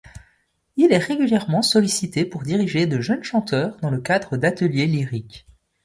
Il est régulièrement sollicité pour diriger de jeunes chanteurs dans le cadre d’Ateliers lyriques.